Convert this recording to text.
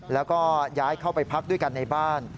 แล้วก็ย้ายเข้าไปพักด้วยกันในบ้าน